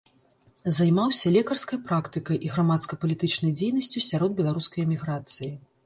Займаўся лекарскай практыкай і грамадска-палітычнай дзейнасцю сярод беларускай эміграцыі.